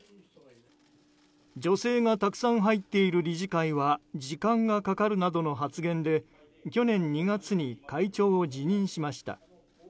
女性がたくさん入っている理事会は時間がかかるなどの発言で去年２月に会長を辞任しました。